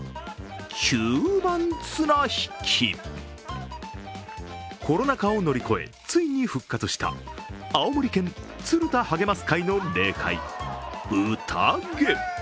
吸盤綱引き、コロナ禍を乗り越えついに復活した青森県ツル多はげます会の例会・有多毛。